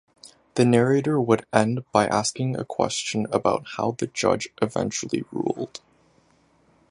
The narrator would end by asking a question about how the judge eventually ruled.